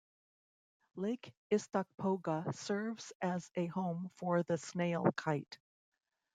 Lake Istokpoga serves as a home for the snail kite.